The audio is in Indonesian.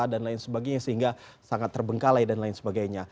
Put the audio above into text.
dan lain sebagainya sehingga sangat terbengkalai dan lain sebagainya